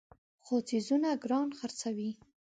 خو څیزونه ګران خرڅوي.